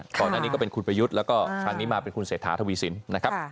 ก่อนหน้านี้ก็เป็นคุณประยุทธ์แล้วก็คราวนี้มาเป็นคุณเศรษฐาทวีสินนะครับ